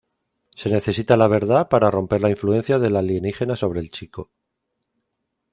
Se necesita la verdad para romper la influencia del alienígena sobre el chico.